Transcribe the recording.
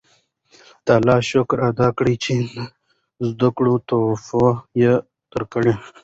د الله تعالی شکر ادا کړئ چې د زده کړې توفیق یې درکړ.